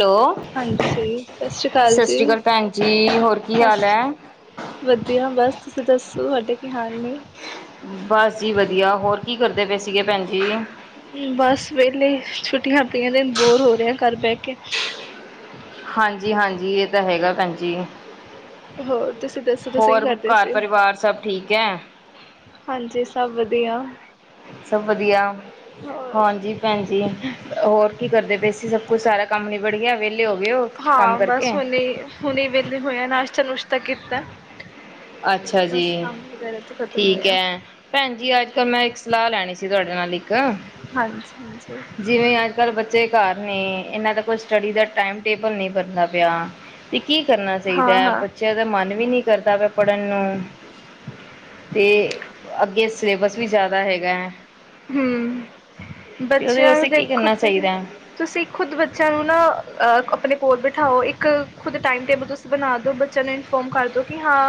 ਲੋ, ਹਾਂਜੀ ਸਤਿ ਸ਼੍ਰੀ ਅਕਾਲ ਸਤ ਜੀ ਸ਼੍ਰੀ ਕਾਲ ਭੈਣ ਜੀ, ਹੋਰ ਕੀ ਹਾਲ ਸਸ ਐ? ਵਧੀਆ ਬਸ ਤੁਸੀਂ ਦੱਸੋ ਤੁਹਾਡੇ ਕੀ ਹਾਲ ਨੇ? ਠੀਕ ਹੈ ਭੈਣ ਜੀ। ਬਸ ਵੇਹਲੇ ਛੁੱਟੀਆਂ ਪਿਆਂ ਦਿਨ ਬੋਰ ਹੋ ਰਿਹੇ ਹਾਂ ਘਰ ਬਹਿ ਕੇ। ਹਾਂਜੀ ਹਾਂਜੀ ਇਹ ਤਾਂ ਹੈਗਾ ਭੈਣਜੀ। ਹੋਰ। ਤੁਸੀਂ ਦੱਸੋ ਤੁਸੀਂ ਕੀ ਹੋਰ ਕਰਦੇ ਘਰ ਸੀ? ਪਰਿਵਾਰ ਸਭ ਠੀਕ ਹੈ। ਹਾਂਜੀ ਸਭ ਵਧੀਆ। ਸਭ ਵਧੀਆ। ਹੋਰ ਹਾਂਜੀ ਭੈਣਜੀ। ਹੋਰ ਕੀ ਕਰਦੇ ਪੇ ਸੀ ਸਭ ਕੁਛ ਸਾਰਾ ਕੰਮ ਨਿਬੜ ਗਿਆ ਵੇਲ ਹਾਂ ਬਸ ਹੁਣੇ ਹੁਣੇ ਵਿਹਲੇ ਹੋਏ ਆ ਨਾਸ਼ਤਾ ਨੁਸ਼ ਤਾ ਕੀਤਾ। ਅੱਛਾ ਜੀ ਬਸ ਕੰਮ ਵਗੈਰਾ ਤੋਂ ਖ਼ਤਮ ਠੀਕ ਹੋਇਆ ਹੈ ਭੈਣ ਜੀ ਅੱਜ ਕੱਲ੍ਹ ਮੈਂ ਇੱਕ ਸਲਾਹ ਲੈਣੀ ਸੀ ਤੁਹਾਡੇ ਨਾਲ ਇੱਕ ਹਾਂਜੀ ਹਾਂਜੀ ਜਿਵੇਂ ਅੱਜ ਕੱਲ੍ਹ ਬੱਚੇ ਘਰ ਨੇ ਇਹਨਾਂ ਦਾ ਕੋਈ ਸਟੱਡੀ ਦਾ ਟਾਈਮ ਟੇਬਲ ਨਹੀਂ ਬ ਦਾ ਪਿਆ ਤੇ ਕੀ ਕਰਨਾ ਹਾਂ ਚਾਹੀਦਾ ਹਾਂ ਬੱਚਿਆਂ ਦਾ ਮਨ ਵੀ ਨੀ ਕਰਦਾ ਵ ਪੜ੍ਹਨ ਨੂੰ ਤੇ ਅੱਗੇ ਸਿਲੇਬਸ ਵੀ ਜ਼ਿਆਦਾ ਹੈਗਾ ਹੈ। ਹਮ ਤੇ ਉਹਦੇ ਬੱਚਿਆਂ ਵਾਸਤੇ ਨੂੰ ਕੀ ਦੇਖੋ ਕਰਨਾ ਤੁਸੀਂ ਚਾਹੀਦਾ ਹੈ ਤੁਸੀਂ ਖੁਦ ਬੱਚਿਆਂ ਨੂੰ ਨਾ ਅ ਅਪਣੇ ਕੋਲ ਬਿਠਾਓ ਇੱਕ ਖੁਦ ਟਾਈਮ ਟੇਬਲ ਤੁਸੀ ਬਣਾ ਦੋ ਬੱਚਿਆਂ ਨੂੰ ਇਨਫੋਰਮ ਕਰ ਦਿਉ ਕਿ ਹਾਂ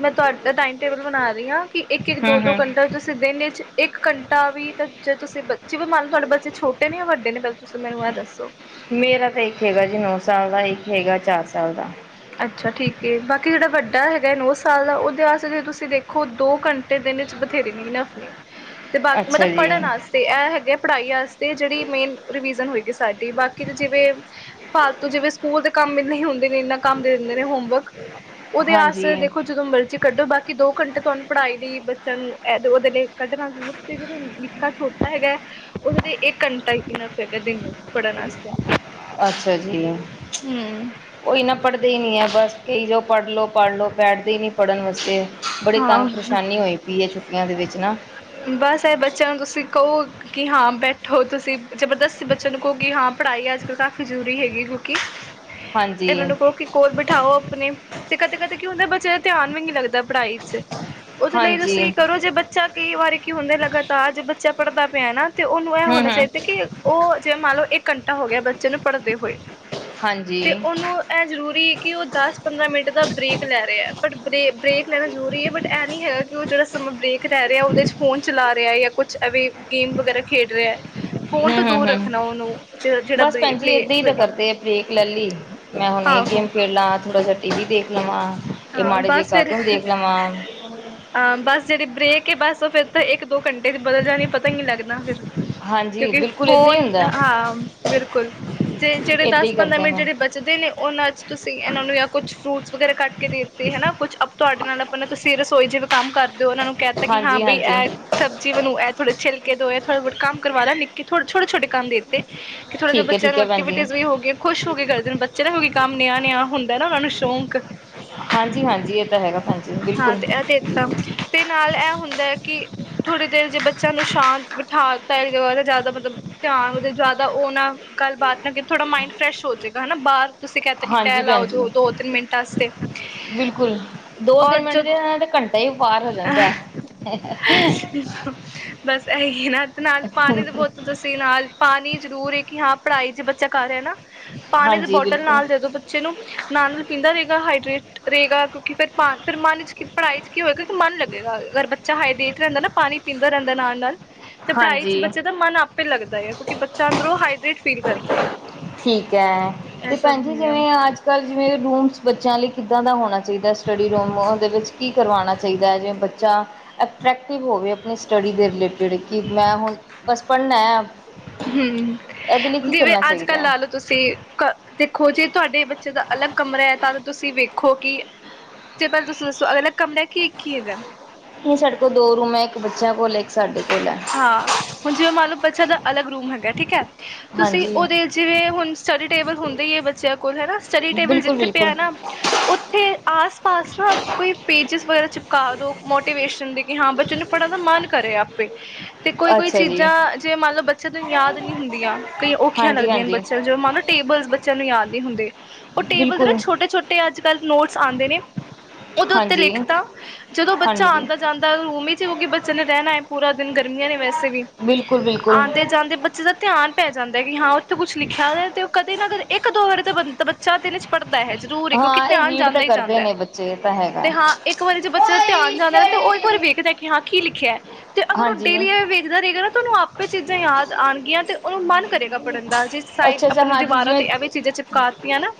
ਮੈਂ ਤੁਹਾਡਾ ਟਾਈਮ ਟੇਬਲ ਬਣਾ ਰਹੀ ਹਾਂ ਕਿ ਇੱਕ ਇੱਕ ਦੋ ਹਮ ਦੋ ਹਮ ਘੰਟਾ ਤੁਸੀ ਦਿਨ ਚ ਇੱਕ ਘੰਟਾ ਵੀ ਤਾਂ ਜੇ ਤੁਸੀਂ ਬ ਜਿਵੇਂ ਮੰਨ ਲੋ ਤੁਹਾਡੇ ਬੱਚੇ ਛੋਟੇ ਨੇ ਜਾਂ ਵੱਡੇ ਨੇ ਪਹਿਲ ਮੇਰਾ ਤਾਂ ਇੱਕ ਹੈਗਾ ਜੀ ਨੋ ਸਾਲ ਦਾ ਇੱਕ ਹੈਗਾ ਚਾਰ ਸਾਲ ਦਾ। ਅੱਛਾ ਠੀਕ ਏ ਬਾਕੀ ਜਿਹੜਾ ਵੱਡਾ ਹੈਗਾ ਹੈ ਨੌ ਸਾਲ ਦਾ ਉਹਦੇ ਵਾਸਤੇ ਤੇ ਤੁਸੀ ਦੇਖੋ ਦੋ ਘੰ ਦਿਨ ਚ ਬਥੇਰੇ ਨੇ ਇਨਫ ਨੇ ਤੇ ਬਾਕੀ ਅੱਛਾ ਮਤਲਬ ਜੀ ਪੜ੍ਹਨ ਵਾਸਤੇ ਇਹ ਹੈਗੇ ਪੜ੍ਹਾਈ ਵਾਸਤੇ ਜਿਹੜੀ ਮੇਨ ਰਵੀਜ਼ਨ ਹੋਏਗੀ ਸਾਡੀ ਬਾਕੀ ਜਿਵੇਂ ਫਾਲਤੂ ਜਿਵੇਂ ਸਕੂਲ ਦੇ ਕੰਮ ਇਨੇ ਹੀ ਹੁੰਦੇ ਨੇ। ਕੰਮ ਦੇ ਦਿੰਦੇ ਨੇ ਹੋਮਵਰਕ ਉਹਦੇ ਹਾਂਜੀ ਆਸਤੇ ਦੇਖੋ ਜਦੋਂ ਮਰਜ਼ੀ ਕੱਢੋ ਬਾਕੀ ਦੋ ਘੰਟੇ ਤੁਹਾਨੂੰ ਪੜ੍ਹਾਈ ਦੀ ਬੱਚਿਆਂ ਨੂੰ ਕਾ ਐਹ ਉਹਦੇ ਲਈ ਕੱਢਣਾ ਜ਼ਰੂਰ ਤੇ ਜਦੋਂ ਨਿੱਕਾ ਛੋਟਾ ਹੈਗਾ ਉਹਦੇ ਲਈ ਇਹ ਘੰਟਾ ਹੀ ਇਨਫ ਹੈਗਾ ਦਿਨ ਵਿਚ। ਅੱਛਾ ਜੀ ਹੂੰ ਓਹੀ ਨਾ ਪੜ ਹੀ ਨੀ ਹੈ ਬਸ ਕਈ ਜਾਓ ਪੜ੍ਹਲੋ। ਪੜ੍ਹ ਲਓ ਬੈਠਦੇ ਹੀ ਨੀ ਪੜ੍ਹਨ ਵਾਸਤੇ ਬੜੀ ਤੰਗ ਹਾਂ ਪਰੇਸ਼ਾਨੀ ਹੋਈ ਪਈ ਹੈ ਛੁੱਟੀਆਂ ਦੇ ਵਿੱਚ ਨਾ। ਬਸ ਇਹ ਬੱਚਿਆਂ ਨੂੰ ਤੁਸੀਂ ਕਹੋ ਕਿ ਹਾਂ ਬੈਠੋ ਤੁਸੀ। ਜ਼ਬਰਦਸਤੀ ਬੱਚਿਆਂ ਨੂੰ ਕਹੋ ਕਿ ਹਾਂ ਪੜ੍ਹਾਈ ਅੱਜ ਕੱਲ੍ਹ ਕਾਫੀ ਜ਼ਰੂਰੀ ਹੈਗੀ। ਕਿ ਇਹਨਾਂ ਹਾਂਜੀ ਨੂੰ ਕਹੋ ਕਿ ਕੋਰ ਬਿਠਾਓ ਆਪਣੇ ਤੇ ਕਦੇ ਕਦੇ ਕੀ ਹੁੰਦਾ ਬੱਚੇ ਦਾ ਧਿਆਨ ਵੀ ਨੀ ਲੱਗਦਾ ਪੜ੍ਹਾਈ ਚ ਉਹਦੇ ਲਈ ਹਾਂਜੀ ਤੁਸੀਂ ਕਰੋ ਜੇ ਬੱਚਾ ਕਈ ਵਾਰੀ ਕੀ ਹੁੰਦਾ ਲਗਾਤਾਰ ਜੇ ਬੱਚਾ ਪੜ੍ਹਦਾ ਪਿਆ ਨਾ। ਤੇ ਉਹਨੂੰ ਇਹ ਹੂੰ ਹੋਣਾ ਚਾਹੀਦਾ ਹੂੰ ਕਿ ਉਹ ਜਿਵੇਂ ਮੰਨ ਲਓ ਇੱਕ ਘੰਟਾ ਹੋ ਗਿਆ ਬਚੇ ਨੂੰ ਪੜ੍ਹਦੇ ਹੋਏ ਹਾਂਜੀ ਤੇ ਉਹਨੂੰ ਇਹ ਜ਼ਰੂਰੀ ਕਿ ਉਹ ਦਸ ਪੰਦਰਾਂ ਮਿੰਟ ਬ੍ਰੇਕ ਲੈ ਰਿਹਾ ਬਟ ਬ ਬ੍ਰੇਕ ਲੈਣਾ ਜ਼ਰੂਰੀ ਹੈ ਬਟ ਇਹ ਨੀ ਹੈਗਾ ਕਿ ਉਹ ਜਿਹੜਾ ਸਮਾਂ ਬ੍ਰੇਕ ਰਹਿ ਰਿਹਾ ਉਹਦੇ ਚ ਫੋਨ ਚਲਾ ਰਿਹਾ ਜਾਂ ਕੁਛ ਅਵੇ ਗੇਮ ਵਗੈਰਾ ਖੇਡ ਰਿਹਾ ਐ। ਹੂੰ ਹੂੰ ਹੂੰ ਬਸ ਬ੍ਰੇ ਭੈਣ ਜੀ ਬਲੇ ਏਦਾਂ ਹੀ ਤਾਂ ਹੋਏਗਾ ਕਰਦੇ ਬ੍ਰੇਕ ਲੈ ਲਈ ਮੈਂ ਹੁਣ ਇਹ ਗੇਮ ਆਹੋ ਖੇਡਲਾ ਥੋੜਾ ਜਿਹਾ ਟੀਵੀ ਦੇਖ ਲਵਾਂ ਇਹ ਹਾਂ ਮਾੜੇ ਜਿਹੇ ਬਸ ਫਿਰ ਕਾਰਟੂਨ ਦੇਖ ਲਵਾਂ। ਕੇ ਬਸ ਫਿਰ ਇੱਕ ਦੋ ਘੰਟੇ ਚ ਬਦਲ ਜਾਣੀ ਪਤਾ ਹੀ ਨੀ ਲੱਗਦਾ ਫਿਰ। ਹਾਂਜੀ ਕਿਉਂਕਿ ਬਿਲਕੁਲ ਏਦਾਂ ਹੀ ਫੋਨ ਹੁੰਦਾ ਹਾਂ ਬਿਲਕੁਲ [unintelligible] ਜੇ ਜਿਹੜੇ ਏਦਾਂ ਦਸ ਹੀ ਪੰਦਰਾਂ ਕਰਦੇ ਮਿੰਟ ਨੇ ਜਿਹੜੇ ਬਚਦੇ ਨੇ ਉਹਨਾਂ 'ਚ ਤੁਸੀਂ ਇਹਨਾਂ ਨੂੰ ਕੁਛ ਫਰੂਟਸ ਵਗੈਰਾ ਕੱਟ ਕੇ ਦੇ ਦਿੱਤੇ ਹੈ ਨਾ ਕੁਛ ਆਪ ਤੁਹਾਡੇ ਨਾਲ ਆਪਣਾ ਤੁਸੀਂ ਰਸੋਈ ਜਿਵੇਂ ਕੰਮ ਕਰਦੇ ਹੋ ਉਹਨਾਂ ਨੂੰ ਕਹਿਤਾ ਕਿ ਹਾਂ ਹਾਂਜੀ ਬਈ ਹਾਂਜੀ ਇਹ ਸਬਜ਼ੀ ਮੈਨੂੰ ਇਹ ਫੜੋ ਛਿਲਕੇ ਦੋ ਥੋੜਾ ਬੋਤ ਕੰਮ ਕਰਵਾਉਣਾ ਨਿੱਕੇ ਛੋਟੇ ਛੋਟੇ। ਕੰਮ ਦੇਤੇ ਕਿ ਥੋੜਾ ਜਿਹਾ ਠੀਕ ਹੈ ਬੱਚਿਆਂ ਠੀਕ ਨੂੰ ਹੈ ਭੈਣ ਜੀ ਐਕਟੀਵਿਟੀ ਵੀ ਹੋ ਗਈਆ ਖੁਸ਼ ਹੋ ਗਏ ਕਰਦੇ ਬੱਚੇ ਨਾ ਹੋਏ ਕੰਮ ਨੀਆ ਨੀਆ ਹੁੰਦਾ ਨਾ ਉਹਨਾਂ ਨੂੰ ਸ਼ੌਕ ਹਾਂਜੀ ਹਾਂਜੀ ਇਹ ਤਾਂ ਹੈਗਾ ਹਾਂਜੀ ਹਾਂ ਬਿਲਕੁਲ ਤੇ ਇਹ ਦੇਤਾ ਤੇ ਨਾਲ ਇਹ ਹੁੰਦਾ ਕਿ ਥੋੜੀ ਦੇਰ ਜੇ ਬੱਚਿਆਂ ਨੂੰ ਸ਼ਾਂਤ ਬਿਠਾਤਾ ਜ਼ਿਆਦਾ ਮਤਲਬ ਧਿਆਨ ਜ਼ਿਆਦਾ ਉਹ ਨਾ ਗੱਲਬਾਤ ਨਾ ਥੋੜਾ ਮਾਇੰਡ ਫਰੈਸ਼ ਹੋ ਜਾਵੇਗਾ ਹਨਾ ਬਾਹਰ ਤੁਸੀਂ ਕਹਿਤਾ ਕਿ ਹਾਂਜੀ ਟੈਅ ਲਾਓ। ਭੈਣ ਜੀ ਜੋ ਦੋ ਤਿੰਨ ਮਿੰਟ ਆਸਤੇ ਬਿਲਕੁਲ ਦੋ ਔਰ ਤਿੰਨ ਮਿੰਟ ਜਦ ਦੇ ਨਾਲ ਤਾਂ ਘੰਟਾ ਹੀ ਪਾਰ ਹੋ ਜਾਂਦਾ ਬਸ ਇਹੀ ਨਾ ਤੇ ਨਾਲ ਪਾਣੀ ਦੇ ਬਹੁਤ ਤੁਸੀਂ ਨਾਲ ਪਾਣੀ ਜ਼ਰੂਰ ਕਿ ਹਾਂ ਪੜ੍ਹਾਈ ਚ ਬੱਚੇ ਚ ਕਰਿਆ ਨਾ। ਪਾਣੀ ਦੇ ਹਾਂਜੀ ਬੋਟਲ ਬਿਲਕੁਲ ਨਾਲ ਦੇ ਦਵੋ ਬੱਚੇ ਨੂੰ ਨਾਲ ਨਾਲ ਪੀਂ ਰਹੇਗਾ ਹਾਈਡਰੇਟ ਰਹੇਗਾ ਕਿਉਂਕਿ ਫਿਰ ਪਾ ਫਿਰ ਮਨ 'ਚ ਕੀ ਪੜ੍ਹਾਈ 'ਚ ਕੀ ਹੋਏਗਾ ਕਿਉਂਕਿ ਮਨ ਲੱਗੇਗਾ ਅਗਰ ਬੱਚਾ ਹਾਈਡਰੇਟ ਰਹਿੰਦਾ ਨਾ ਪਾਣੀ ਪੀਂਦਾ ਰਹਿੰਦਾ ਨਾਲ ਨਾਲ ਤੇ ਪੜ੍ਹਾਈ ਚ ਹਾਂਜੀ ਬੱਚੇ ਦਾ ਮਨ ਆਪੇ ਲੱਗਦਾ। ਕਿਉਂਕਿ ਬੱਚਾ ਅੰਦਰੋਂ ਹਾਈਡਰੇਟ ਫੀਲ ਕਰਦਾ। ਠੀਕ ਹੈ ਤੇ ਇਹ ਸਭ ਭੈਣ ਜ ਹੁੰਦੀਆਂ ਜਿਵੇਂ ਅੱਜ ਕੱਲ ਜਿਵੇਂ ਰੂਮਸ ਬੱਚਿਆਂ ਲਈ ਕਿੱਦਾਂ ਦਾ ਹੋਣਾ ਚਾਹੀਦਾ ਸਟੱਡੀ ਰੂਮ ਉਹਦੇ ਵਿੱਚ ਕੀ ਕਰਵਾਉਣਾ ਚਾਹੀਦਾ ਹੈ ਜਿਵੇਂ ਬੱਚਾ ਅਟਰ੍ਰੈਕਟਿਵ ਹੋਵੇ। ਆਪ ਸਟੱਡੀ ਦੇ ਰਿਲੇਟਿਡ ਕਿ ਮੈਂ ਹੁਣ ਬਸ ਪੜ੍ਹਨਾ। ਹਮ ਇਹਦੇ ਲਈ ਕੀ ਜਿਵੇਂ ਕਰਨਾ ਅੱਜ ਚਾਹੀਦਾ ਕੱਲ੍ਹ ਹੈ ਲਾਲੋ ਤੁਸੀਂ ਦੇਖੋ ਜੇ ਤੁਹਾਡੇ ਬੱਚੇ ਦਾ ਅਲੱਗ ਕਮਰਾ ਹੈ ਤਾਂ ਤੁਸੀਂ ਵੇਖੋ ਕਿ ਤੇ ਪਹਿਲ ਤੁਸੀਂ ਦੱਸੋ ਅਗ ਨਹੀਂ ਸਾਡੇ ਕੋਲ ਦੋ ਰੂਮ ਹੈ ਇੱਕ ਬੱਚ ਬੱਚੇ ਕੋਲ ਏ ਇੱਕ ਸਾਡੇ ਕੋਲ ਹੈ ਹਾਂ ਹੁਣ ਜਿਵੇਂ ਮੰਨ ਲਓ ਬੱਚਾ ਦਾ ਅਲਗ ਰੂਮ ਹੈਗਾ ਠੀਕ ਹੈ। ਤੁਸੀਂ ਹਾਂਜੀ ਉਹਦੇ ਜਿਵੇਂ ਹੁਣ ਸਟੱਡੀ ਟੇਬਲ ਹੁੰਦੇ ਹੀ ਹੈ ਬੱਚਿਆਂ ਹੁਣ ਹੈ ਨਾ ਸਟੱਡੀ ਟੇਬਲ ਬਿਲਕੁਲ ਜਿੱਥੇ ਬਿਲਕੁਲ ਪਿਆ ਨਾ ਉੱਥੇ ਆਸ ਪਾਸ ਨਾ ਕੋਈ ਪੇਜਿਸ ਵਗੈਰਾ ਚਿਪਕਾ ਦਿਉ ਮੋਟੀਵੇਸ਼ਨ ਦੇ ਕਿ ਹਾਂ ਬੱਚੇ ਨੂੰ ਪੜ੍ਹਨ ਦਾ ਮਨ ਕਰੇ ਆਪੇ। ਤੇ ਕੋਈ-ਕੋਈ ਅੱਛਾ ਜੀ ਚੀਜ਼ਾਂ ਜੇ ਮੰਨ ਲਓ ਬੱਚਿਆਂ ਨੂੰ ਯਾਦ ਨਹੀਂ ਹੁੰਦੀਆਂ ਕਈ ਔਖੀਆਂ ਹਾਂਜੀ ਲੱਗਦੀਆਂ ਹਾਂਜੀ ਬੱਚਿਆਂ ਨੂੰ ਜੋ ਮੰਨ ਲਓ ਟੇਬਲ ਬੱਚਿਆਂ ਨੂੰ ਯਾਦ ਨਹੀਂ ਹੁੰਦੇ ਉਹ ਟੇਬਲ ਨਾ ਬਿਲਕੁਲ ਛੋਟੇ-ਛੋਟੇ ਅੱਜ ਕੱਲ੍ਹ ਨੋਟ [unintelligible] ਨੇ। ਉਹਦੇ ਉੱਤੇ ਹਾਂਜੀ ਲਿਖਤਾ ਜਦੋਂ ਬੱਚਾ ਹਾਂਜੀ ਆਉਂਦਾ ਜਾਂਦਾ ਰੂਮ ਚ ਕਿੳਂਕਿ ਬੱਚੇ ਨੇ ਰਹਿਣਾ ਹੈ। ਪੂਰਾ ਦਿਨ ਗਰਮੀਆਂ ਨੇ ਵੈਸ ਵੀ ਬਿਲਕੁਲ ਬਿਲਕੁਲ ਆਉਂਦੇ ਜਾਂਦੇ ਬੱਚੇ ਦਾ ਧਿਆਨ ਪੈ ਜਾਂਦਾ ਹੈ ਕਿ ਹਾਂ ਉੱਥੇ ਕੁਛ ਲਿਖਿਆ ਦਾ ਤੇ ਉਹ ਕਦੇ ਨਾ ਕਦੇ ਇੱਕ ਦੋ ਵਰੇ ਤੋਂ ਬੰ ਬੱਚਾ ਦਿਨ ਚ ਪੜ੍ਹ ਹੈ ਜ਼ਰੂਰ ਹੈ ਕਿਉਂਕਿ ਹਾਂ ਇਹ ਧਿਆਨ ਰੀਡ ਤਾਂ ਜਾਂਦਾ ਹੀ ਕਰਦੇ ਜਾਂਦਾ ਹੈ ਨੇ ਬੱਚੇ ਇਹ ਤਾਂ ਤੇ ਹੈਗਾ ਹਾਂ ਇੱਕ ਵਾਰੀ ਜੇ ਬੱਚੇ ਦਾ ਧਿਆਨ ਜਾਂਦਾ ਨਾ ਤੇ ਉਹ ਇੱਕ ਵਾਰੀ ਵੇਖਦਾ ਕਿ ਹਾਂ ਕੀ ਲਿਖਿਆ ਹੈ। ਅਗਰ ਉਹ ਹਾਂਜੀ ਡੇਲੀਵੇਂ ਵੇਖਦਾ ਰਹੇਗਾ ਨਾ ਤੇ ਉਹਨੂੰ ਆਪੇ ਚੀਜ਼ਾਂ ਯਾਦ ਆਣਗੀਆਂ ਤੇ ਉਹਨੂੰ ਮਨ ਕਰੇਗਾ ਪੜ੍ਹਨ ਦਾ ਜੇ ਸਾਈਡ ਅੱਛਾ-ਅੱਛਾ ਆਪਣੇ ਹਾਂਜੀ ਦੀਵਾਰਾਂ ਜਿਵੇਂ ਤੇ ਐਵੇਂ ਚੀਜ਼ਾਂ ਚਿਪਕਾਤੀਆਂ ਨਾ।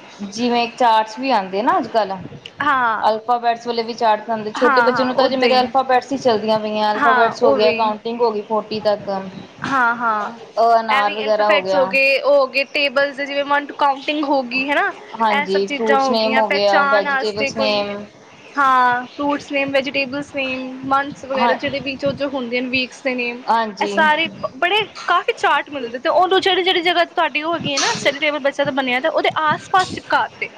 ਚਾਟਸ ਵੀ ਆਉਂਦੇ ਨਾ ਅੱਜ ਕੱਲ ਹਾਂ ਅਲਫਾਬੈਟਸ ਵੇਲੇ ਵੀ [unintelligible] ਛੋਟੇ ਹਾਂ ਬੱਚਿਆਂ ਹਾਂ ਨੂੰ ਤਾਂ ਓਦਾਂ ਮੇਰੇ ਹੀ ਅਲਫਾਬੈਟਸ ਹੀ ਚੱਲਦੀਆਂ ਪਈਆਂ ਐਲਫਾਬੈਟਸ ਹੋ ਗਿਆ ਕਾਊਂਟਿੰਗ ਹੋ ਗਈ। ਫੋਰਟੀ ਤੱਕ ਅ ਹਾਂ-ਹਾਂ ਇਹ ਅਨਾਰ ਵੀ ਵਗੈਰਾ ਅਲਫਾਫੈਟਸ ਹੋ ਗਿਆ ਗਏ ਉਹ ਹੋ ਗਏ ਟੇਬਲ ਜਿਵੇਂ ਵਨ ਟੂ ਕਾਉਂਟਿੰਗ ਹੋ ਗਈ ਹਨਾ ਇਹ ਸਭ ਹਾਂਜੀ ਚੀ ਫਰੂਟਸ ਹੋ ਨੇਮ ਗਈਆਂ ਗਿਆ ਪਹਿਚਾਣ ਆਸਤੇ ਵੈਜੀਟੇਬਲਸ ਕੋਈ ਨੇਮ ਹਾਂ fruits name vegetables pen months ਵਗੈਰਾ ਹਾਂ ਜਿਹੜੇ ਵੀ ਜੋ ਹੁੰਦੇ ਹਨ ਵੀਕਸ ਨੇ ਇਹ ਹਾਂਜੀ ਸਾਰੇ ਬੜੇ ਕਾਫੀ ਚਾਰਟ ਮਿਲਦੇ ਤੇ ਉਹਨੂੰ ਜਿਹੜੀ ਜਿਹੜੀ ਜਗ੍ਹਾ ਤੁਹਾਡੀ ਉਹ ਹੋ ਗ ਹੈ ਨਾ ਸਟੱਡੀ ਟੇਬਲ ਬੱਚਾ ਦਾ ਬਣਿਆ ਤੇ ਉਹਦੇ ਆਸ ਪਾਸ ਸ ਚਿਪਕਾ ਤੇ।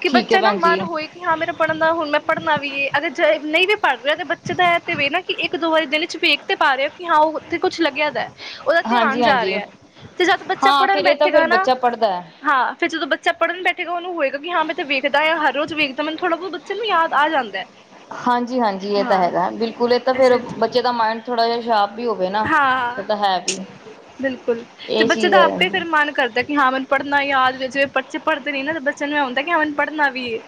ਕਿ ਠੀਕ ਹੈ ਬੱਚਾ ਨਾ ਭੈਣ ਜੀ ਮਨ ਹੋਏ ਕਿ ਹਾਂ ਮੇਰਾ ਪੜ ਹੁਣ ਮੈਂ ਪੜ੍ਹਨਾ ਵੀ ਏ ।ਅਗਰ ਜੇ, ਨਹੀਂ ਵੀ ਪੜ੍ਹ ਰਿਆ ਦੇ ਬੱਚੇ ਦਾ ਐ ਤੇ ਵੇ ਨਾ ਕਿ ਇੱਕ ਦੋ ਵਾਰੀ ਦਿਨ 'ਚ ਵੇਖ ਤੇ ਪਾ ਰਿਆ। ਕਿ ਹਾਂ ਉਹ ਉੱਥੇ ਕੁਛ ਲੱਗਿਆ ਦਾ ਉਹਦਾ ਧਿਆਨ ਜਾ ਹਾਂਜੀ-ਹਾਂਜੀ ਰਿਆ ਤੇ ਜਦ ਬੱਚਾ ਹਾਂ ਪੜ੍ਹਨ ਫਿਰ ਇਹ ਤਾਂ ਫਿਰ ਬੈਠੇਗਾ ਨਾ। ਬੱਚਾ ਪੜ੍ਹਦਾ ਹੈ ਹਾਂ ਫਿਰ ਜਦੋਂ ਬੱਚਾ ਪੜ੍ਹਨ ਬੈਠੇਗਾ ਉਹਨੂੰ ਹੋਏਗਾ ਕਿ ਹਾਂ ਮੈਂ ਤੇ ਵੇਖਦਾ ਹਾਂ ਹਰ ਰੋਜ਼ ਵੇਖ- ਮਤ ਥੋੜਾ ਬਹੁ ਬੱਚੇ ਨੂੰ ਯਾਦ ਆ ਜਾਂਦਾ। ਹਾਂਜੀ- ਹਾਂਜੀ ਇਹ ਤਾਂ ਹਾਂ ਹੈਗਾ ਬਿਲਕੁਲ- ਇਹ ਤਾਂ ਫੇਰ ਐਸੇ ਬੱਚੇ ਦਾ ਮਾਇੰਡ, ਥੋੜ੍ਹਾ ਜਿਹਾ ਸ਼ਾਰਪ ਵੀ ਹੋਵੇ ਨਾ ਇਹ ਹਾਂ- ਤਾਂ ਹੈ ਵੀ ਬਿਲਕੁਲ ਤੇ ਇਹ ਬੱਚੇ ਚੀਜ਼ ਦਾ ਆਪੇ ਹੈ ਫੇਰ ਮਨ ਕਰਦਾ ਕਿ ਹਾਂ ਮੈਨੂੰ ਪੜ੍ਹਨਾ ਯਾਦ ਵਿੱਚ- ਜਿ ਬੱਚੇ ਪੜਦੇ ਨੀ ਨਾ ਤਾਂ ਬੱਚੇ ਨੂੰ ਏ ਹੁੰਦਾ ਕਿ ਹਾਂ ਹੁਣ ਪੜਨਾ ਵੀ ਏ।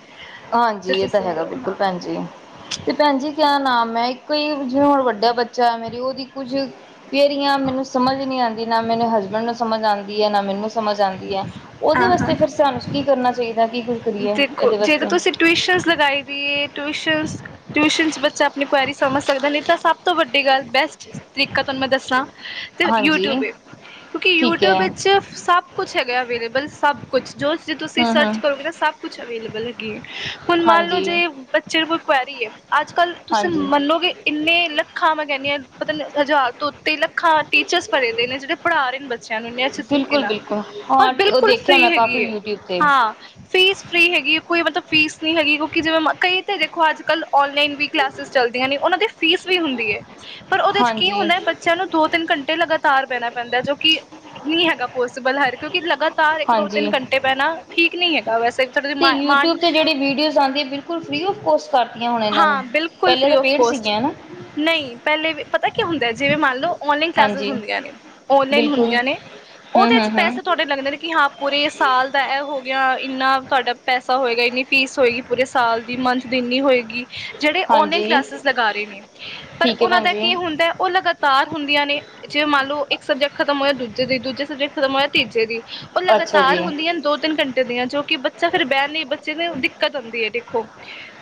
ਜੇ ਹਾਂਜੀ ਤੁਸੀਂ ਇਹ ਤਾਂ ਹੈਗਾ ਸਮਝੋ ਬਿਲਕੁਲ ਹਾਂ ਭੈਣ ਜੀ ।ਤੇ ਭੈਣ ਜੀ ਕਿਆ ਨਾਮ ਐ। ਕਈ ਜਿਵੇਂ ਹੁਣ ਵੱਡਿਆ ਬੱਚ- ਚਾਹ ਮੇਰੀ ਉਹਦੀ ਕੁਝ ਪੇਰੀਆਂ ਮੈਨੂੰ ਸਮਝ ਈ ਨੀ ਆਂਦੀ। ਨਾ ਮੈਨੂੰ ਹਸਬੈਂਡ ਨੂੰ ਸਮਝ ਆਂਦੀ ਹੈ ਨਾ ਮੈਨੂੰ- ਸਮਝ ਆਂਦੀ ਐ। ਉਦੇ ਹਾਂ ਹਾਂ ਵਸਤੇ ਫਿਰ ਸਾਨੂੰ ਕੀ ਕਰਨਾ ਚਾਹੀਦਾ ਕਿ- ਕਰੀਏ ਦੇਖੋ ਇਹਦੇ ਜੇ ਵਸ- ਤੁਸੀਂ ਟਿਊਸ਼ਨਜ ਲਗਾਈ ਦੀ ਏ। ਟਿਊ- ਟਿਊਸ਼ਨਜ ਟਿਊਸ਼ਨ 'ਚ ਬੱਚਾ ਆਪਣੀ ਕੁਆਇਰੀ ਸਮਝ ਸਕਦਾ ।ਨਈ ਤਾਂ ਸਭ ਤੋਂ ਵੱਡੀ ਗੱਲ ਬੈਸਟ ਤਰੀਕਾ ਤਾਨੂੰ ਮੈਂ ਦੱਸਾਂ- ਤੇ ਯੂਟਿਊਬ ਹਾਂਜੀ ਏ। ਕਿਉਂਕਿ ਠੀਕ ਯੂਟਿਊਬ ਹੈ ਵਿੱਚ ਸਭ ਕੁਛ ਹੈਗਾ ਅਵੇਲੇਬਲ- ਸਭ ਕੁਛ ਜੋ ਚੀਜ ਤੁਸੀਂ ਹੂੰ ਹੂੰ ਸਰਚ ਕਰੋਗੇ ਨਾ ਸ- ਕੁਛ ਅਵੇਲੇਬਲ ਹੈਗੀ ਏ। ਹੁਣ ਮੰਨ ਲਓ ਹਾਂਜੀ। ਜੇ ਬੱਚੇ ਨੂੰ ਕੋਈ ਕੁਆਇਰੀ ਐ ।ਅੱਜ ਕੱਲ ਤੁਸੀਂ ਹਾਂਜੀ ਮੰਨੋਗੇ ਇੰਨਾ- ਲੱਖਾਂ ਮੈਂ ਕੇਨੀ ਏ ।ਪਤਾ ਨ ਹਜ਼ਾਰ ਤੋਂ ਉਤੇ ਲੱਖਾਂ ਟੀਚਰਸ ਭਰੇ ਦੇ ਨੇ ਜੜੇ ਪੜ੍ਹਾ ਰਹੇ ਨੇ ਬੱਚਿਆਂ ਨੂੰ ਇਨੇ ਅੱਛੇ ਤਰੀਕੇ ਬਿਲਕੁਲ ਨਾਲ। ਬਿਲਕੁਲ ਪਰ ਹਾਂ ਉਹ ਬਿਲਕੁਲ ਦੇਖਿਆ ਫ੍ਰੀ ਮੈਂ ਹੈਗੀ ਕਾਫੀ ਏ। ਯੂਟਿਊਬ ਤੇ ਹਾਂ- ਫੀਸ ਫ੍ਰੀ ਹੈਗੀ ਕੋਈ ਮਤਲਬ ਫੀਸ ਨਹੀਂ ਹੈਗੀ। ਕਿਉਂਕਿ ਜਿਵੇਂ ਮ ਕਈ ਤਾਂ ਦੇਖੋ ਅੱਜ ਕੱਲ੍ਹ- ਔਨਲਾਈਨ ਵੀ ਕਲਾਸਿਸ ਚੱਲਦੀਆਂ ਨੇ ਉਹਨਾਂ ਦੀ ਫੀਸ- ਵੀ ਹੁੰਦੀ ਏ ਪਰ ਉਹਦੇ ਚ ਕੀ ਹਾਂਜੀ ਹੁੰਦਾ ਏ, ਬੱਚਿਆਂ ਨੂੰ ਦੋ ਤਿੰਨ ਘੰਟੇ ਲਗਾਤਾਰ ਬਹਿਣਾ- ਬੰਦਾ ਜੋ ਕਿ ਨੀ ਹੈਗਾ ਪੋਸੀਬਲ ਹਰ ਕਿਉਂਕਿ ਲਗਾਤਾਰ- ਤਾਰ ਇੱਕ ਦੋ ਤਿੰਨ ਘੰਟੇ ਬੈਠਣਾਠੀਕ ਨੀ ਐ। ਅਤੇ ਯੂਟਿਊਬ 'ਤੇ ਜਿਹੜੀ ਵੀਡੀਓਜ਼ ਆਂਦੀ ਬਿਲਕੁਲ ਫ੍ਰੀ ਆਫ ਕੋਸਟ- ਕਰਤੀਆਂ ਹੁਣ ਇਹਨਾਂ ਨੇ। ਹਾਂ ਬਿਲਕੁਲ ਪਹਿਲੇ ਤਾਂ ਫ੍ਰੀ ਫ ਪੇਡ ਕੋਸਟ। ਸੀਗੀਆਂ ਨਾ ਨਹੀਂ ਪਹਿਲੇ- ਪਤਾ ਕਿ ਹੁੰਦਾ ਐ ਜਿਵੇਂ ਮੰਨ ਲਓ ਔਨਲਾਈਨ ਕਲਾਸਿਸ ਹਾਂਜੀ ਹੁੰਦੀਆਂ ਨੇ ਔਨਲਾਈਨ ਬਿਲਕੁਲ ਹੁੰਦੀਆਂ ਨੇ, ਹੂੰ ਉਹਦੇ ਹੂੰ ਚ ਹੂੰ ਪੈਸੇ ਤੁਹਾਡੇ ਲੱਗਦੇ ਨੇ ਕਿ ਹਾਂ ਪੂਰੇ ਸਾਲ ਦਾ ਐ ਹੋ ਗਿਆ। ਇੰਨਾ ਤੁਹਾਡਾ ਪੈਸਾ ਹੋਏਗਾ, ਇੰਨੀ ਫੀਸ ਹੋਏਗੀ, ਪੂਰੇ ਸਾਲ ਦੀ ਮੰਥ ਦੀ ਇੰਨੀ ਹੋਏਗੀ। ਜਿਹੜੇ ਓਨਲਾਈਨ ਹਾਂਜੀ ਕਲਾਸਿਸ ਲਗਾ ਰਹੇ ਨੇ। ਪਰ ਠੀਕ ਹੈ ਉਹਨਾਂ ਭੈਣ ਦਾ ਜੀ ਕੀ ਹੁੰਦਾ। ਉਹ ਲਗਾਤਾਰ ਹੁੰਦੀਆਂ ਨੇ ਜੇ ਮੰਨ ਲਓ ਇੱਕ ਸਬਜੈਕਟ ਖਤਮ ਹੋਇਆ ਦੂਜੇ ਦੇ ਦੂਜੇ [unintelligible] ਤੀਜੇ ਦੀ ਉਹ ਅੱਛਾ ਲਗਾਤਾਰ ਜੀ ਹੁੰਦੀਆਂ ਨੇ ਦੋ ਤਿੰਨ ਘੰਟੇ ਦੀਆਂ ਜੋ ਕਿ ਬੱਚਾ ਫੇਰ ਬਹਿ ਕੇ ਨਹੀਂ ਬੱਚੇ ਨੂੰ ਦਿੱਕਤ ਹੋਂਦੀ ਏ ਦੇਖੋ।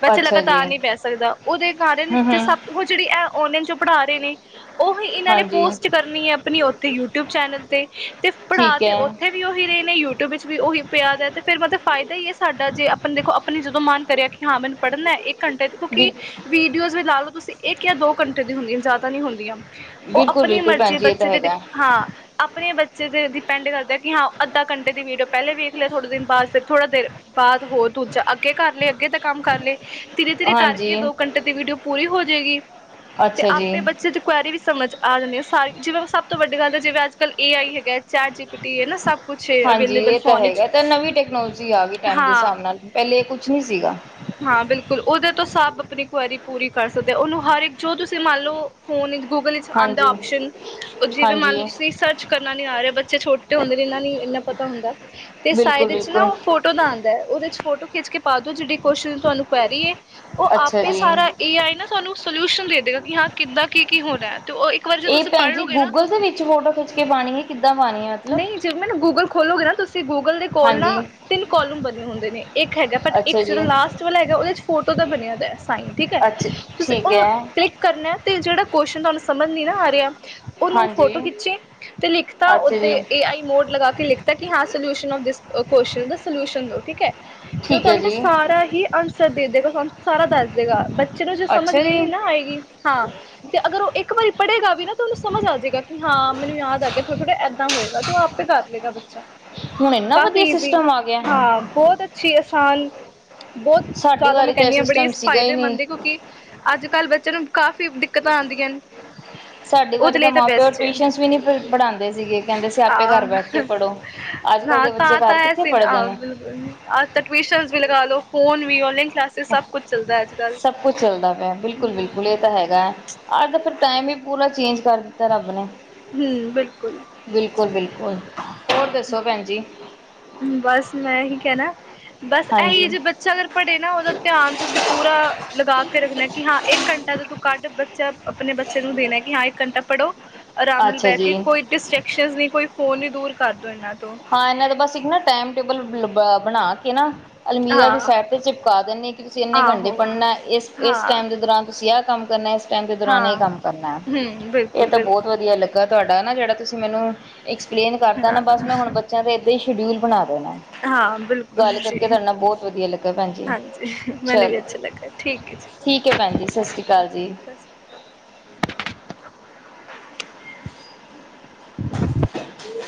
ਵੈਸੇ ਅੱਛਾ ਲੱਗਾਤ ਜੀ ਤਾਂ ਨਹੀਂ ਬਹਿ ਸਕਦਾ ।ਉਦੇ ਕਾਰਨ ਹੂੰ ਤੇ ਹੂੰ ਸਭ ਉਹ ਜੇੜੀ ਇਹ ਔਨਲਾਨ ਜੋ ਪੜ੍ਹਾ ਰਹੇ ਨੇ ਉਹੀ ਇਹਨਾਂ ਨੇ ਹਾਂਜੀ ਪੋਸਟ ਕਰਨੀ ਐ ਆਪਣੀ ਉੱਥੇ ਯੂਟਿਊਬ ਚੈਨਲ ਤੇ। ਤੇ ਪੜ੍ਹਾ ਠੀਕ ਤੇ ਹੈ ਉੱਥੇ ਵੀ ਉਹੀ ਰਹੇ ਨੇ ਯੂਟਿਊਬ ਵਿੱਚ ਵੀ ਉਹੀ ਪਿਆ ਦਾ ਤੇ ਫਿਰ ਮਤਲਬ ਫਾਇਦਾ ਈ ਐ ਸਾਡਾ ਜੇ ਅਪਣਾ ਦੇਖੋ ਆਪਣੀ ਜਦੋਂ ਮਨ ਕਰੇ ਕਿ ਹਾਂ ਮੈਨੂੰ ਪੜ੍ਹਨਾ ਇੱਕ ਘੰਟੇ ਦੀ ਕਿਉਂਕਿ ਬਿਲ ਵੀਡੀਓਜ਼ ਵੀ ਲਾ ਲਓ ਤੁਸੀਂ ਇੱਕ ਜਾਂ ਦੋ ਘੰਟੇ ਦੀ ਹੁੰਦੀਆਂ ਜ਼ਿਆਦਾ ਨਹੀਂ ਹੁੰਦੀਆਂ। ਉਹ ਬਿਲਕੁਲ ਆਪਣੀ ਬਿਲਕੁਲ ਭੈਣ ਮਰਜ਼ੀ ਜੀ ਇਹ ਤਾਂ ਬੱਚੇ ਤੇ ਡੀ ਹੈਗਾ ਹਾਂ ਆਪਣੇ ਬੱਚੇ ਤੇ ਡਿਪੈਂਡ ਕਰਦੇ, ਕਿ ਹਾਂ ਅੱਧਾ ਘੰਟੇ ਦੀ ਵੀਡੀਓ ਪਹਿਲੇ ਵੇਖ ਲੇ। ਥੋੜੇ ਦਿਨ ਬਾਅਦ ਫਿਰ ਥੋੜ੍ਹਾ ਦੇਰੂ ਬਾਅਦ ਹੋਰ ਦੂਜਾ ਅੱਗੇ ਕਰ ਲਏ ਅੱਗੇ ਦੇ ਕੰਮ ਕਰ ਲਏ। ਧੀਰੇ ਧੀਰੇ ਹਾਂਜੀ ਕਰਕੇ ਦੋ ਘੰਟੇ ਦੀ ਵੀਡੀਓ ਪੂਰੀ ਹੋਜੇਗੀ। ਤੇ ਅੱਛਾ ਜੀ ਆਪੇ ਬੱਚੇ ਦੀ ਕੁਆਇਰੀ ਵੀ ਸਮਝ ਆ ਜਾਂਦੇ ਆ ਸਾਰੀ। ਜਿਵੇਂ ਸਭ ਤੋਂ ਵੱਡੀ ਗੱਲ ਏ ਜਿਵੇਂ ਅੱਜ ਕੱਲ ਏ ਆਈ ਹੈਗਾ। ਚੈਟ ਜੀ ਪੀ ਟੀ ਹੈ ਨਾ ਸਭ ਕੁਛ ਹਾਂਜੀ ਅਵੇਲੇਬਲ ਇਹ ਤਾਂ ਫੋਨ ਵਿੱਚ ਹੈਗਾ ਤੇ ਨਵੀਂ ਟੈਕਨੋਲੋਜੀ ਆ ਗਈ। ਟਾਈਮ ਦੇ ਹਾਂ ਹਿਸਾਬ ਨਾਲ। ਪਹਿਲੇ ਇਹ ਕੁਛ ਨੀ ਸੀਗਾ। ਹਾਂ ਬਿਲਕੁਲ ਉਹਦੇ ਤੋਂ ਸਭ ਆਪਣੀ ਕੁਐਰੀ ਪੂਰੀ ਕਰ ਸਕਦੇ। ਉਨੂੰ ਹਰ ਇੱਕ ਜੋ ਤੁਸੀਂ ਮੰਨ ਲਓ ਫੋਨ ਗੂਗਲ ਵਿੱਚ ਆਂਦਾ ਹਾਂਜੀ ਓਪਸ਼ਨ ਜਿਵੇਂ ਮੰਨ ਹਾਂਜੀ ਲਓ ਤੁਸੀਂ ਸਰਚ ਕਰਨਾ ਨੀ ਆ ਰਿਆ ।ਬੱਚੇ ਛੋਟੇ ਹੁੰਦੇ ਨੇ ਇਹਨਾਂ ਨ ਇੰਨਾ ਪਤਾ ਹੁੰਦਾ ।ਤੇ ਸਾਈਡ ਬਿਲਕੁਲ ਵਿੱਚ ਨਾ ਬਿਲਕੁਲ ਉਹ ਫੋਟੋ ਦਾ ਆਂਦਾ ਏ ਉਦੇ ਚ ਫੋਟੋ ਖਿੱਚ ਕੇ ਪਾਦੋ ਜਿੜੇ ਕੋਸ਼ਿਸ਼ ਤੁਹਾਨੂੰ ਪੈ ਰੀ ਐ। ਉਹ ਅੱਛਾ ਆਪੇ ਜੀ ਸਾਰਾ ਏ ਆਈ ਨਾ ਸਾਨੂੰ ਸੋਲਿਊਸ਼ਨ ਦੇ ਦੇਗਾ ਕਿ ਹਾਂ ਕਿੱਦਾਂ ਕੀ ਕੀ ਹੋਣਾ। ਤੇ ਉਹ ਇੱਕ ਵਾਰ ਜੇ ਇਹ ਤੁਸੀਂ ਭੈਣ ਪੜ੍ਹ ਜੀ ਲੋਗੇ ਨਾ ਗੂਗਲ ਦੇ ਵਿੱਚ ਫੋਟੋ ਖਿੱਚ ਕੇ ਪਾਣੀ ਏ ਕਿੱਦਾਂ ਪਾਣੀ। ਹੈ ਮਤਲਬ ਨਹੀਂ ਜਬ ਮੈ ਨਾ ਗੂਗਲ ਖੋ ਖੋਲੋਗੇ ਨਾ ਤੁਸੀਂ ਤੇ ਗੂਗਲ ਦੇ ਕੋਲ ਨਾ ਹਾਂਜੀ ਤਿੰਨ ਕੋਲਮ ਬਣੇ ਹੁੰਦੇ ਨੇ। ਇੱਕ ਹੈਗਾ ਬਟ ਅੱਛਾ ਇੱਕ ਜੀ ਜਿਹੜਾ ਲਾਸਟ ਵਾਲਾ ਹੈਗਾ ਉਹਦੇ ਚ ਫੋਟੋ ਤਾਂ ਬਣਿਆ ਦਾ ਸਾਈਨ ਠੀਕ ਐ। ਅੱਛਾ ਤੁਸੀਂ ਠੀਕ ਉਨੂੰ ਹੈ ਕਲਿੱਕ ਕਰਨਾ ਤੇ ਜਿਹੜਾ ਕੁਅਸ਼ਨ ਤਾਨੂੰ ਸਮਝ ਨਹੀਂ ਨਾ ਆ ਰਿਆ। ਉਨੂੰ ਹਾਂਜੀ ਫੋਟੋ ਖਿੱਚੇ ਅਤੇ ਲਿਖਤਾ ਅੱਛਾ ਤੇ ਜੀ ਏ ਆਈ ਮੋਡ ਲਗਾ ਕੇ ਲਿਖਤਾ ਕਿ ਹਾਂ ਸਲਿਊਸ਼ਨ ਆਫ ਦਿਸ ਕੋਸ਼ਚਨ ਦਾ ਸਲਿਊਸ਼ਨ ਦੋ ਠੀਕ ਐ। ਤੇ ਉਹ ਠੀਕ ਹੈ ਤਾਨੂੰ ਫ ਜੀ ਸਾਰਾ ਹੀ ਆਂਸਰ ਦੇ ਦੇਗਾ। ਤਾਨੂੰ ਸਾਰਾ ਦੱਸ ਦੇਗਾ। ਬਟ- ਬੱਚੇ ਨੂੰ ਜੇ ਸਮਝ ਅੱਛਾ ਵੀ ਜੀ ਨੀ ਨਾ ਆਏਗੀ। ਹਾਂ -ਤੇ ਅਗਰ ਉਹ ਇੱਕ ਵਾਰੀ ਪੜ੍ਹੇਗਾ- ਵੀ ਨਾ ਤੁ ਉਹਨੂੰ ਸਮਝ ਆ ਜਾਏਗਾ। ਹਾਂ ਮੈਨੂੰ ਯਾਦ ਆ ਥੋੜ੍ਹ ਹੋਏਗਾ ਤੂੰ ਆਪ ਪੇ ਕਰ ਲਏਗਾ ਬੱਚਾ ਹੁਣ ਇੰਨਾ ਵਧੀਆ ਕਾਫੀ ਈਜ਼ੀ ਸਿਸਟਮ ਆ ਗਿਆ ਹਾਂ ਬਹੁਤ ਅੱਛੀ ਆਸਾਨ ਬਹੁਤ ਸਾਡੀ ਜ਼ਿਆਦਾ ਮੈਂ ਵਾਰੀ ਤਾਂ ਇਹ ਕਹਿੰਦੀ ਹਾਂ ਬੜੀ ਸਿਸਟਮ ਸੀਗਾ ਹੀ ਨਹੀਂ ਫਾਇਦੇਮੰਦ ਹੈ ਕਿਉਂਕਿ ਅੱਜ ਕੱਲ੍ਹ ਬੱਚੇ ਨੂੰ ਕਾਫ਼ੀ ਦਿੱਕਤਾਂ ਆਦੀਆਂ ਨੇ ਤੇ ਸਾਡੀ ਵਾਰੀ ਉਹਦੇ ਤਾਂ ਲਈ ਮਾਂ ਪਿਓ ਟਿਊਸ਼ਨ ਵੀ ਨੀ ਪੜ੍ਹਾਂਦੇ ਸੀਗੇ। ਕਹਿੰਦੇ ਸੀ ਆਪੇ ਘਰ ਬੈਠ ਕੇ ਹ ਪੜ੍ਹੋ ਅੱਜ ਕੱਲ੍ਹ ਦੇ ਤਾਂ ਬੱਚੇ ਆ ਘਰ ਤਾਂ ਹੈ ਕਿੱਥੇ ਸੀ ਪੜ੍ਹਦੇ ਨੇ ਬਿਲਕੁਲ ਆ ਤਾਂ ਟਿਊਸ਼ਨ ਵੀ ਲਗਾ ਲਓ ਫੋਨ ਵੀ ੋ [inaudible] ਸਭ ਕੁਛ ਚੱਲਦਾ ਪਿਆ ਬਿਲਕੁਲ- ਬਿਲਕੁਲ ਇਹ ਹੂੰ ਤਾਂ ਹੈਗਾ ਹੈ ਅੱਜ ਦਾ ਫਿਰ ਟਾਇਮ ਵੀ ਪੂਰਾ ਚੇਂਜ ਕਰ ਦਿੱਤਾ ਰੱਬ ਨੇ ਬਿਲਕੁਲ ਬਿਲਕੁਲ-ਬਿਲਕੁਲ ਹੋਰ ਦੱਸੋ ਪੈਣ ਜੀ ਬਸ ਮੈਂ ਹੀ ਕਹਿਣਾ- ਬਸ ਹਾਂਜੀ, ਇਹੀ ਜੇ ਬੱਚਾ ਅਗਰ ਪੜ੍ਹੇ ਨਾ ਉਹਦਾ ਧਿਆਨ ਤੁਸੀਂ ਪੂਰਾ ਲਗਾ ਕੇ ਰੱਖਣਾ ਕਿ ਹਾਂ ਇੱਕ ਘੰਟਾ ਤੋਂ ਤੂੰ ਕੱਢ ਬੱਚਾ ਆਪਣੇ ਬੱਚੇ ਨੂੰ ਦੇਣਾ ਕਿ ਹਾਂ ਇੱਕ ਘੰਟਾ ਪੜ੍ਹੋ ਆਰਾਮ ਨਾਲ ਅੱਛਾ ਬਹਿ ਜੀ। ਕੇ ਕੋਈ ਡਿਸਟੈਕਸ਼ਨ ਨਹੀਂ ਕੋਈ ਫੋਨ ਨੀ ਦੂਰ ਕਰਦੋ ਇਹਨਾ ਹਾਂ ਇਹਨਾਂ ਦਾ ਬਸ ਇੱਕ ਨਾ ਟਾਈਮ ਟੇਬਲ ਬ ਬਣਾ ਕੇ ਨਾ ਅਲਮੀਰਾ ਦੀ ਹਾਂ ਸੈਰ ਤੇ ਚਿਪਕਾ ਦਿੰਦੇ ਤੁਸੀਂ ਇੰਨੇ ਘੰਟੇ ਆਹੋ ਪੜ੍ਹਨਾ ਇਸ ਇਸ ਹਾਂ ਟਾਈਮ ਦੇ ਦੌਰਾਨ ਤੁਸੀਂ ਆਹ ਕੰਮ- ਗਣੇਸ਼ ਟਮ ਦੇ ਦੌਰਾਨ ਹੀ ਹਾਂ ਕੰਮ ਕਰਨਾ ਹੈ ਹੂੰ ਇਹ ਬਿਲਕੁਲ ਤਾਂ ਬਹੁਤ ਬਿਲਕੁਲ ਵਧੀਆ ਲੱਗਾ ਤੁਹਾਡਾ ਨਾ ਜਿਹੜਾ ਤੁਸੀਂ ਮੈਨੂੰ ਐਕਸਪਲੇਨ ਕਰਤਾ ਨਾ ਹਾਂ ਬਸ ਮੈਂ ਹੁਣ ਬੱਚਿਆਂ ਦੇ ਇਦਾਂ ਹੀ। ਸ਼ਡਊਲ ਬਣਾ- ਹਾਂ ਬਿਲਕੁਲ ਗੱਲ ਕਰਕੇ ਜੀ ਤੁਹਾਡੇ ਨਾਲ ਬਹੁਤ ਵਧੀਆ ਲੱਗਾ ਪੈਣਜੀ ਹਾਂਜੀ ਮੈਨੂੰ ਵੀ ਚਲੋ ਅੱਛਾ ਲੱਗਾ ਠੀਕ ਹੈ ਜੀ ਠੀਕ ਹੈ ਪੈਣਜੀ ਸਤਿ ਸ੍ਰੀ ਅਕਾਲ ਓਕੇ ਜੀ। ਸਤਿ ਸ਼੍ਰੀ ਅਕਾਲ [inaudible]